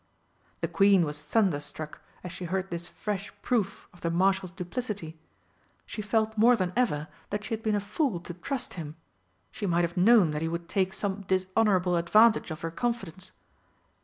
The Queen was thunderstruck as she heard this fresh proof of the Marshal's duplicity she felt more than ever that she had been a fool to trust him she might have known that he would take some dishonourable advantage of her confidence!